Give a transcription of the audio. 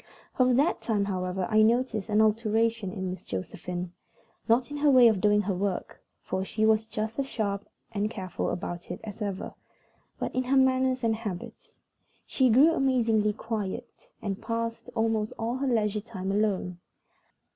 From that time, however, I noticed an alteration in Miss Josephine; not in her way of doing her work, for she was just as sharp and careful about it as ever, but in her manners and habits. She grew amazingly quiet, and passed almost all her leisure time alone.